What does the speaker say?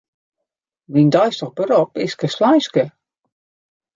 Myn deistich berop is kastleinske.